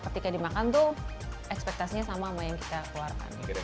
ketika dimakan tuh ekspektasinya sama sama yang kita keluarkan